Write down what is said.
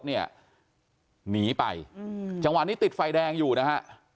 หนีไปจังหวะนี้ติดไฟแดงอยู่นะฮะ